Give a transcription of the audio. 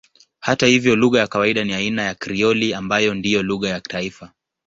Hata hivyo lugha ya kawaida ni aina ya Krioli ambayo ndiyo lugha ya taifa.